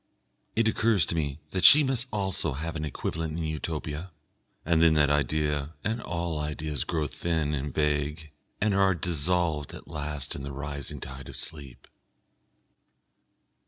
It occurs to me that she also must have an equivalent in Utopia, and then that idea and all ideas grow thin and vague, and are dissolved at last in the rising tide of sleep....